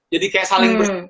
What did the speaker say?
jadi kayak saling bersama